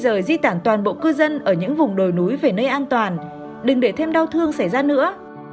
xin mọi người di tản toàn bộ cư dân ở những vùng đồi núi về nơi an toàn đừng để thêm đau thương xảy ra nữa